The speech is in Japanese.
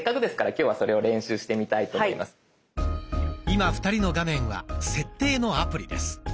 今２人の画面は「設定」のアプリです。